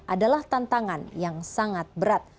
adalah tantangan yang sangat berat